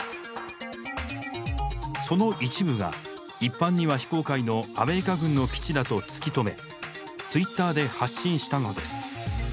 その一部が一般には非公開のアメリカ軍の基地だと突き止めツイッターで発信したのです。